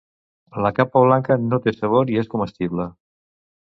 La capa blanca no té sabor i és comestible.